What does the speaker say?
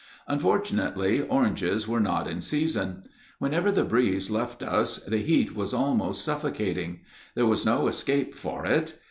Unfortunately, oranges were not in season. Whenever the breeze left us the heat was almost suffocating; there was no escape for it.